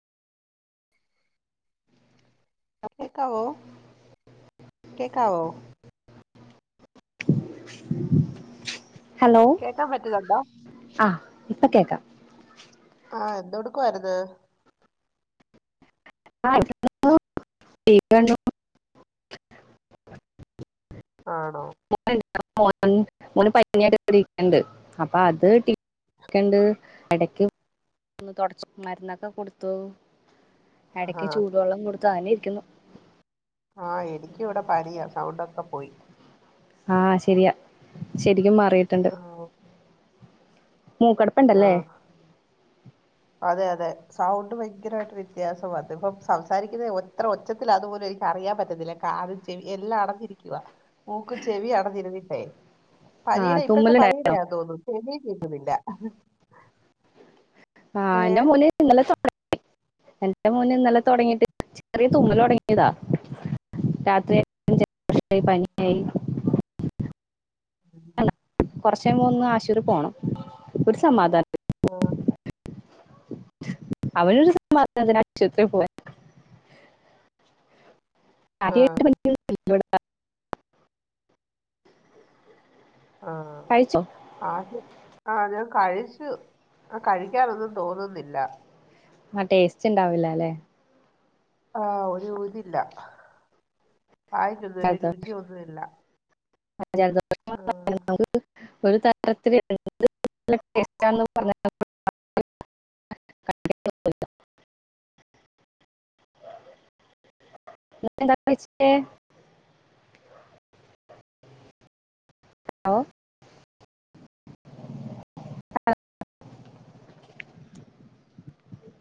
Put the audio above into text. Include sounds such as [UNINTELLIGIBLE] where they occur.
കേക്കാവോ കേക്കാവോ ഹലോ കേക്കാൻ പറ്റുന്നുണ്ടോ ആഹ് ഇപ്പ കേക്കാം ആഹ് എന്തോടുക്ക്വാരുന്ന് ആഹ് ഇവ്ടൊണ്ട് ടി വി കണ്ടു ആണോ മോന്ണ്ട് അപ്പ മോൻ മോന് പനിയായ്ട്ട് ഇവ്ടിരിക്കൺണ്ട് അപ്പം അത് ടി ക്കെണ്ട് എടക്ക് ഒന്ന് തൊടച്ചു മര്ന്നക്കെ കൊട്ത്തൂ ആഹാ എടക്ക് ചൂടുവെള്ളം കൊട്ത്തു അങ്ങനെ ഇരിക്കുന്നു ആഹ് എനിക്കിവിടെ പനിയാ സൗണ്ടൊക്കെ പോയി ആഹ് ശെരിയാ ശെരിക്കും മാറീട്ട്ണ്ട് ആഹ് മൂക്കടപ്പ്ണ്ടല്ലേ ആഹ് അതെ അതെ സൗണ്ട് ഭയങ്കരായിട്ട് വ്യത്യാസം വന്ന് ഇപ്പം സംസാരിക്കുന്നെ ഇത്രെ ഒ ച്ചത്തിലാന്ന് പോലും എനിക്കറിയാൻ പറ്റത്തില്ല കാതും ചെവിം എല്ലാം അടഞ്ഞിരിക്കുവാ മൂക്കും ചെവിം അടഞ്ഞിര്ന്നിട്ടേ ആ പനീടെ ഇപ്പഴത്തെ തുമ്മലുണ്ടായോ പനീടെയാന്ന് തോന്നുന്നു ചെവിം കേക്ക്ന്നില്ല ആഹ് എന്റെ ഏഹ് മോന് ഇന്നലെ തൊടങ്ങി എന്റെ മോന് ഇന്നലെ തൊടങ്ങീട്ട് ചെറിയ തുമ്മലൊടങ്ങി യതാ രാത്രി പനിച്ചില്ല പക്ഷെ പനിയായി ഉം കൊറ്ച്ചയ്യുമ്പോ ഒന്ന് ആശുപത്രി പോണം ഒര് സമാധാനത്തിന് പോവാൻ അവനൊര് [UNINTELLIGIBLE] [UNINTELLIGIBLE] ആഹ്, കഴിച്ചോ ആദ്യൊക്കെ ആഹ്, ഞാൻ കഴിച്ചു. ആഹ് കഴിക്കാനൊന്നും തോന്നുന്നില്ല. ആഹ്, ടേസ്റ്റ്ണ്ടാവില്ലലെ. ആഹ്, ഒരു രുചില്ല. വായക്കൊന്നും ഒര് രുചിയൊന്നു ഇല്ല. [UNINTELLIGIBLE] ഒരു [UNINTELLIGIBLE] പർഞ്ഞ [UNINTELLIGIBLE] ഓഹ്.